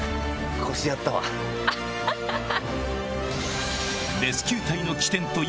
アハハハ！